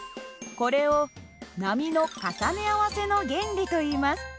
これを波の重ね合わせの原理といいます。